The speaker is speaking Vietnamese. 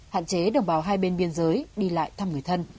hạn chế đồng bào hai bên biên giới đi lại thăm người thân